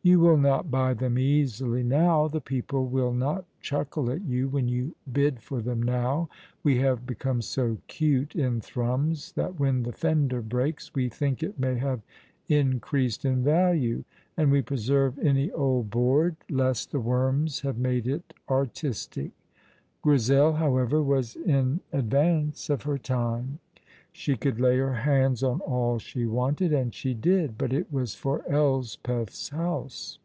You will not buy them easily now, the people will not chuckle at you when you bid for them now. We have become so cute in Thrums that when the fender breaks we think it may have increased in value, and we preserve any old board lest the worms have made it artistic. Grizel, however, was in advance of her time. She could lay her hands on all she wanted, and she did, but it was for Elspeth's house.